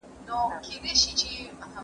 استاد د څېړني جوړښت شاګرد ته روښانه کوي.